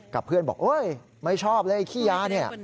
กับเพื่อนบอกไม่ชอบเลยขี้ย้า